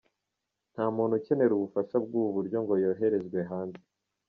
Nta muntu ukenera ubufasha bw’ubu buryo ngo yoherezwe hanze.